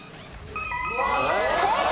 正解。